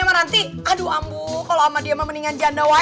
sampai jumpa di video selanjutnya